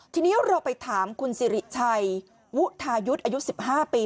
ทีนี้เราไปถามคุณสิริชัยวุธายุทธ์อายุ๑๕ปี